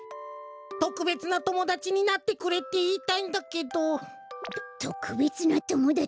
「とくべつなともだちになってくれ」っていいたいんだけど。ととくべつなともだち。